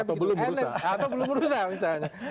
atau belum merusak misalnya